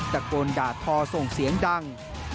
ตะโกนด่าทอส่งเสียงดัง